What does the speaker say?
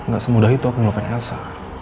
gak semudah itu aku melakukan elsa